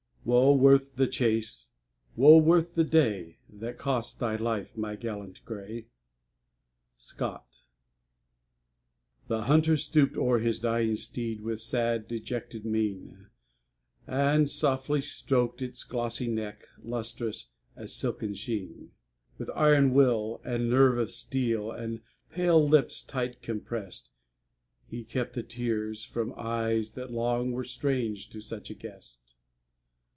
"Wo worth the chase. Wo worth the day, That cost thy life, my gallant grey!" Scott The Hunter stooped o'er his dying steed With sad dejected mien, And softly stroked its glossy neck, Lustrous as silken sheen; With iron will and nerve of steel, And pale lips tight compressed, He kept the tears from eyes that long Were strange to such a guest.